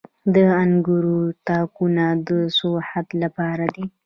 د انګورو تاکونه د سوخت لپاره دي.